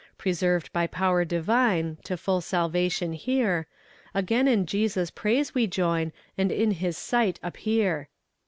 Preserved by power divine To full salvation here, Again in Jesus' praise we join, And in his sight appear.